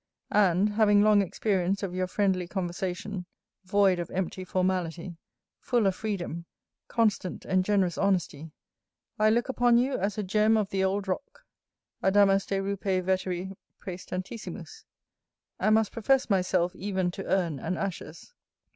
And, having long experience of your friendly conversation, void of empty formality, full of freedom, constant and generous honesty, I look upon you as a gem of the old rock,[AB] and must profess myself even to urn and ashes.